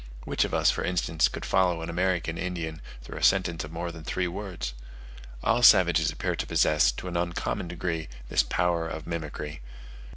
Which of us, for instance, could follow an American Indian through a sentence of more than three words? All savages appear to possess, to an uncommon degree, this power of mimicry.